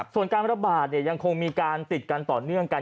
ส่วนการระบาดยังคงมีการติดกันต่อเนื่องกัน